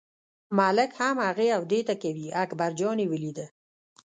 ملک هم هغې او دې ته کوي، اکبرجان یې ولیده.